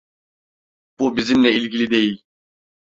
Bu bizimle ilgili değil.